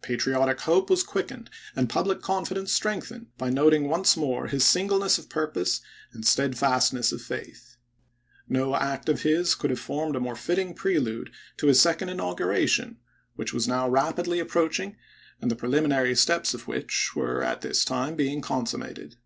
Patriotic hope was quickened and public confidence strengthened by noting once more his singleness of purpose and steadfastness of faith. No act of his could have formed a more fitting prelude to his second inauguration, which THE SECOND INAUGURAL 139 was now rapidly approaching, and the preliminary chap.vil steps of which were at this time being consum mated.